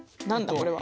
これは。